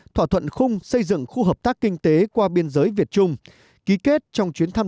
thỏa thuận khung xây dựng khu hợp tác kinh tế qua biên giới việt trung ký kết trong chuyến thăm